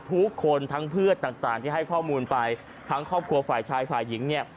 ทุกคนทั้งเพื่อนต่างต่างที่ให้ข้อมูลไปทั้งครอบครัวฝ่ายชายฝ่ายหญิงเนี่ย